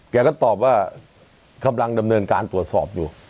แกก็ตอบว่ากำลังดำเนินการตรวจสอบอยู่